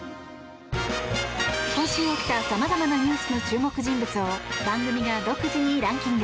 今週起きた様々なニュースの注目人物を番組が独自にランキング。